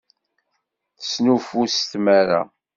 Tesnuffus s tmara.